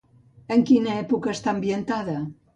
En quina època està ambientada?